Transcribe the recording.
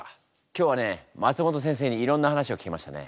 今日はね松本先生にいろんな話を聞けましたね。